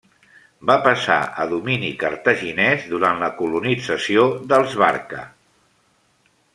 Va passar a domini cartaginès durant la colonització dels Barca.